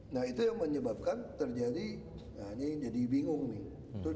nah itu yang menyebabkan terjadi nah ini jadi bingung nih